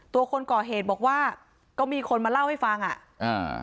ตัวคนก่อเหตุบอกว่าก็มีคนมาเล่าให้ฟังอ่ะอ่า